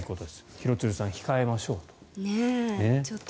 廣津留さん、控えましょう。